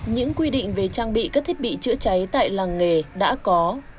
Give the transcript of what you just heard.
những quy định về trang bị các thiết bị chữa cháy tại làng nghề đã có